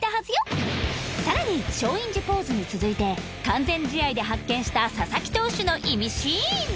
さらに松陰寺ポーズに続いて完全試合で発見した佐々木投手のイミシーン